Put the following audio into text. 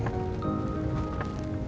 tidak tega melihat keadaan seperti